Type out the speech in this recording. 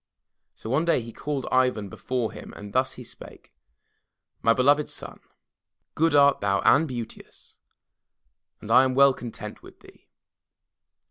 So one day he called Ivan before him and thus he spake: "My beloved son, good art thou and beauteous, and I am well content with thee.